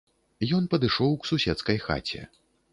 Ён падышоў к суседскай хаце.